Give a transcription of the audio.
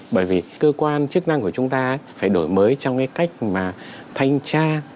bởi vì cơ quan chức năng của chúng ta phải đổi mới trong cái cách mà thanh tra